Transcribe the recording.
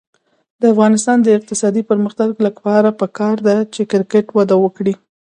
د افغانستان د اقتصادي پرمختګ لپاره پکار ده چې کرکټ وده وکړي.